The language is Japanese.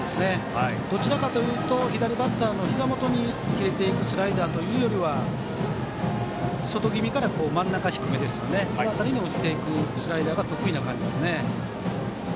どちらかというと左バッターの低めに入れていくスライダーというより外気味から真ん中低めに落ちていくスライダーが得意な感じですね。